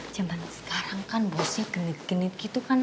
zaman sekarang kan bosnya genit genit gitu kan